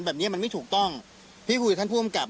แบบนี้มันไม่ถูกต้องพี่คุยกับท่านผู้อำกับ